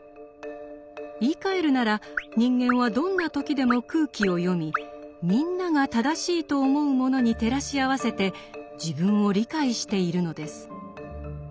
言いかえるなら人間はどんな時でも空気を読み「みんな」が正しいと思うものに照らし合わせて自分を理解しているのです。